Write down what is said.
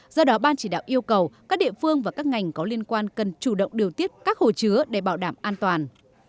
do đó ban chỉ đạo yêu cầu các địa phương và các ngành có liên quan cần chủ động điều tiết các hồ chứa để bảo đảm an toàn